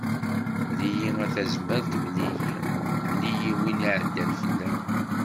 Mel-iyi a Tazmalt mel-iyi, mel-iyi win iɛeddan fell-am.